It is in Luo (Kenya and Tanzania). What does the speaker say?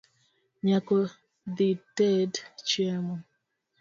Nyako, dhited chiemo